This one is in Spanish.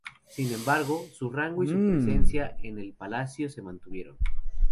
Sin embargo, su rango y presencia en el palacio se mantuvieron.